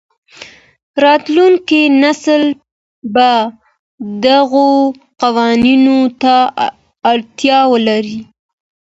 راتلونکی نسل به دغو قوانینو ته اړتیا ولري.